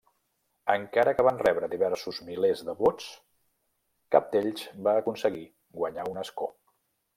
Encara que van rebre diversos milers de vots, cap d'ells va aconseguir guanyar un escó.